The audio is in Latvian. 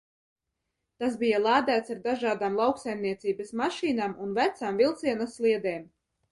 Tas bija lādēts ar dažādām lauksaimniecības mašīnām un vecām vilciena sliedēm.